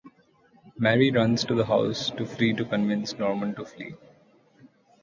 Mary runs to the house to try to convince Norman to flee.